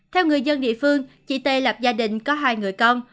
theo người dân địa phương chị tê lập gia đình có hai người con